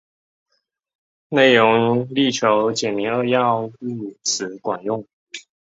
内容力求简明扼要、务实管用